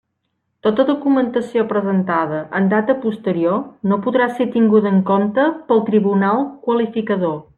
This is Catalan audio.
Tota documentació presentada en data posterior no podrà ser tinguda en compte pel Tribunal Qualificador.